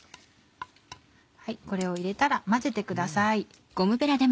これを入れたら混ぜてください。